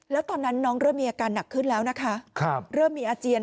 แล้วตอนนั้นน้องเริ่มมีอาการหนักขึ้นแล้วนะคะเริ่มมีอาเจียน